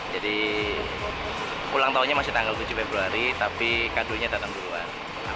jadi ulang tahunnya masih tanggal tujuh februari tapi kadulnya datang duluan